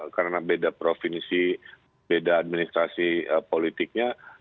karena beda provinsi beda administrasi politiknya